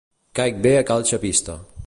Caic bé a cal xapista.